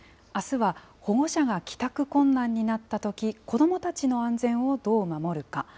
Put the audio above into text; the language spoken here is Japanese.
あすは、保護者が帰宅困難になったとき、子どもたちの安全をどう守るか。